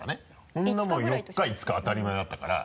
そんなもん４日５日当たり前だったから。